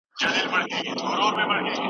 موږ باید له درواغو او بهتانونو څخه ځان وژغورو.